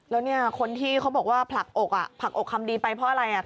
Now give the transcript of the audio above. แล้วเนี่ยคนที่เขาบอกว่าผลักอกผลักอกคำดีไปเพราะอะไร